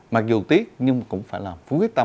mặc dù tiếc nhưng cũng phải làm